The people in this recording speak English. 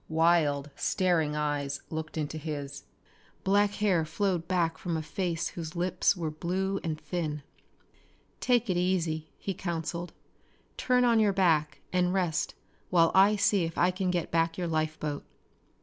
Wild, staring eyes looked into his. Black hair flowed back from a face whose lips were blue and thin. "Take it easy," he counseled. "Turn on your back and rest while I see if I can get back your life boat."